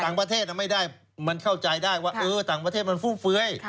ต่างประเทศไม่ได้มันเข้าใจได้ว่าเออต่างประเทศมันฟุ่มเฟื้อย